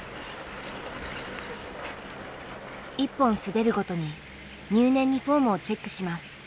一本滑るごとに入念にフォームをチェックします。